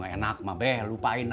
saya gitu hari udah seneng